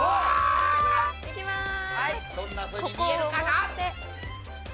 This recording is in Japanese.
どんなふうに見えるかな？